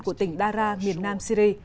của tỉnh daraa miền nam syri